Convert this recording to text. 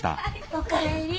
お帰り。